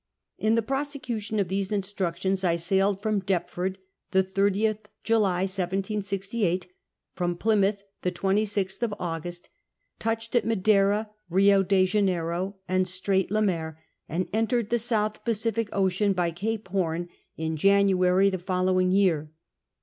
In the prosecution of these instructions 1 sailed from Deptford the 30th July 1768 ; from Plymouth the 26th of August ; touched at Madeira, Rio de Janeiro, and Strait Le Maire, and entered the South Pacific Ocean by Cape Horn in January the following year.